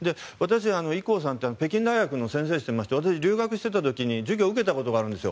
イ・コウさんって北京大学の先生をしていまして私、留学していた時に授業を受けたことがあるんです。